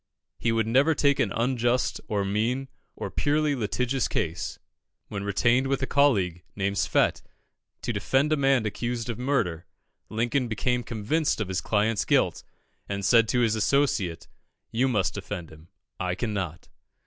He would never take an unjust, or mean, or a purely litigious case. When retained with a colleague, named Swett, to defend a man accused of murder, Lincoln became convinced of his client's guilt, and said to his associate "You must defend him I cannot."